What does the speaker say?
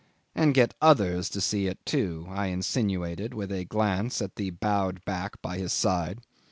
"And get others to see it, too," I insinuated, with a glance at the bowed back by his side.